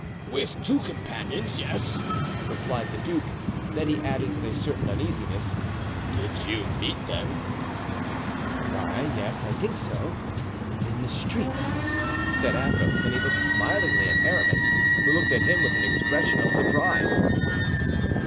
"With two companions, yes," replied the duke. Then he added with a certain uneasiness, "Did you meet them?" "Why, yes, I think so—in the street," said Athos; and he looked smilingly at Aramis, who looked at him with an expression of surprise.